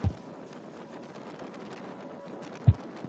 কেহ কথা বলিলে জবাবও দেয় না, মুখও তোলে না।